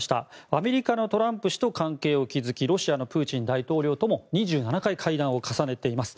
アメリカのトランプ氏と関係を築きロシアのプーチン大統領とも２７回会談を重ねています。